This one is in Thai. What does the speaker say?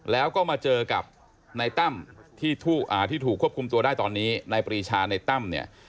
แล้วก็มาเจอกับนายต้ำที่ถูกควบคุมตัวได้ตอนนี้นายปรีชานายต้ำ